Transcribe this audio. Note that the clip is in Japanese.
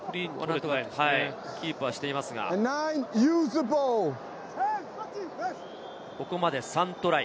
キープはしていますが、ここまで３トライ。